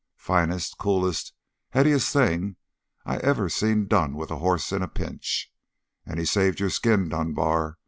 Finest, coolest, headiest thing I ever seen done with a hoss in a pinch. And he saved your skin, Dunbar.